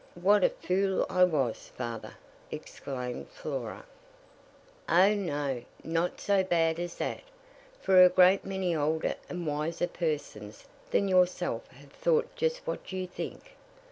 "What a fool I was, father!" exclaimed Flora. "O, no; not so bad as that; for a great many older and wiser persons than yourself have thought just what you think."